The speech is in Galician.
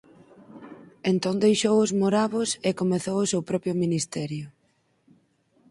Entón deixou os moravos e comezou o seu propio ministerio.